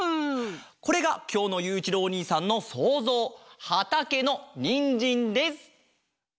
これがきょうのゆういちろうおにいさんのそうぞうはたけのにんじんです！